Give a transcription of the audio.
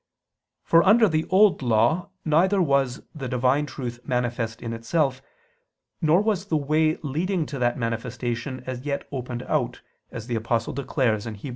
For under the Old Law, neither was the Divine Truth manifest in Itself, nor was the way leading to that manifestation as yet opened out, as the Apostle declares (Heb.